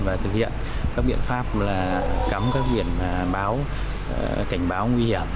và thực hiện các biện pháp là cắm các biển báo cảnh báo nguy hiểm